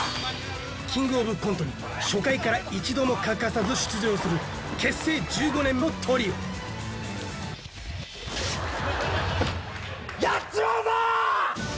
キングオブコントに初回から一度も欠かさず出場する結成１５年のトリオやっちまうぞー！